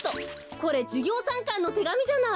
これじゅぎょうさんかんのてがみじゃない！